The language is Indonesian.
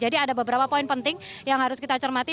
jadi ada beberapa poin penting yang harus kita cermati